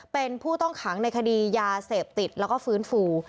เป็นผู้ต้องขังในคดียาเสพติดแล้วก็ฟื้นฟู